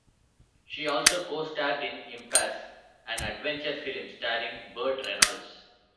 She also co-starred in "Impasse", an adventure film starring Burt Reynolds.